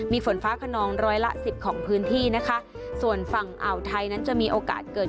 มีฝนฟ้าขนองร้อยละสิบของพื้นที่นะคะส่วนฝั่งอ่าวไทยนั้นจะมีโอกาสเกิด